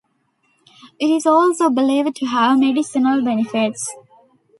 It is also believed to have medicinal benefits.